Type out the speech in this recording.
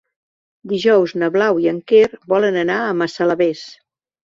Dijous na Blau i en Quer volen anar a Massalavés.